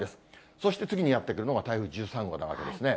そして次にやって来るのが台風１３号なわけですね。